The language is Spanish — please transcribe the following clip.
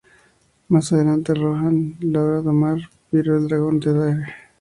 Más adelante Rohan logra domar Pyro, el Dragón de Dare.